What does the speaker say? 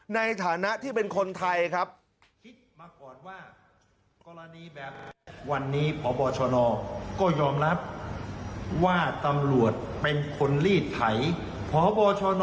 ในฐานะที่เป็นคนไทยครับ